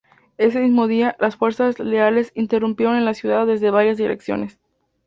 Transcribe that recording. Ese mismo día, las fuerzas leales irrumpieron en la ciudad desde varias direcciones.